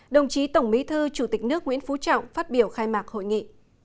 đồng chí tổng bí thư chủ tịch nước nguyễn phú trọng phát biểu khai mạc hội nghị